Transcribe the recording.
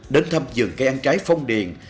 đến thăm giường cây ăn trái phong điền